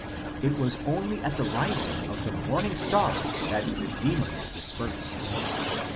It was only at the rising of the morning star that the demons dispersed.